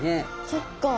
そっか。